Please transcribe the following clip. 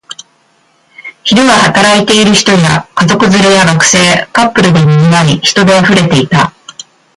昼は働いている人や、家族連れや学生、カップルで賑わい、人で溢れていた